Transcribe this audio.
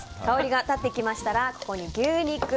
香りが立ってきましたらここに牛肉。